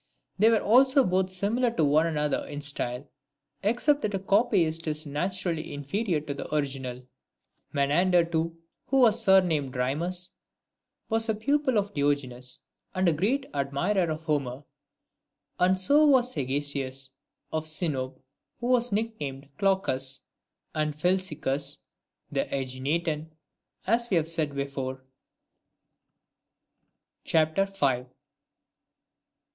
They were also both similar to one another in style, except that a copyist is naturally inferior to the original. III. Menander, too, who was surnamed Drymus, was a pupil of Diogenes, and a great admirer of Homer: and so was Hegesa3us of Sinope, who was nicknamed Clocus, and Philiscus the ^Eginetan, as we have said before.